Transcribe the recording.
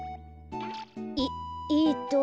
えっえっと